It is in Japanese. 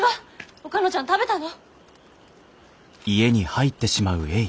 おかのちゃん食べたの？